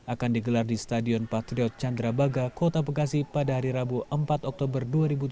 akan digelar di stadion patriot candrabaga kota bekasi pada hari rabu empat oktober dua ribu tujuh belas